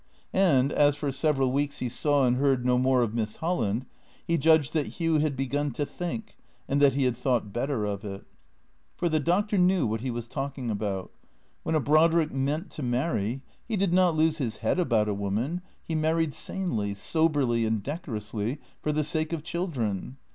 And, as for several weeks he saw and heard no more of Miss Holland, he judged that Hugh had begun to think, and that he had thought better of it. For the Doctor knew what he was talking about. When a Brodrick meant to marry, he did not lose his head about a woman, he married sanely, soberly and decorously, for the sake of children.